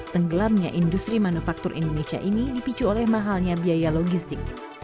tenggelamnya industri manufaktur indonesia ini dipicu oleh mahalnya biaya logistik